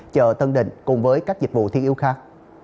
chợ tân định cùng với các dịch vụ thiết yếu khác